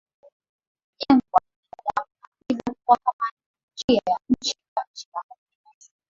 kujengwa na binadamu na hivyo kuwa kama njia ya chini kwa chini baharini Maeneo